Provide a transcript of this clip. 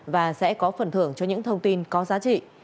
và sẽ có phần thưởng cho những thông tin có giá trị